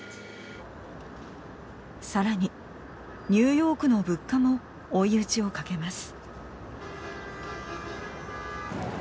さらにニューヨークの物価も追い打ちをかけます。